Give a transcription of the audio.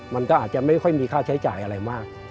มันก็อาจจะไม่ค่อยมีค่าใช้จ่ายอะไรมาก